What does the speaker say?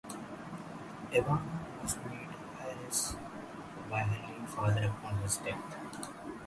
Ivana was made heiress by her late father upon his death.